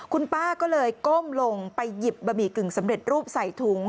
คุณป้าก็เลยก้มลงไปหยิบบะหมี่กึ่งสำเร็จรูปใส่ถุง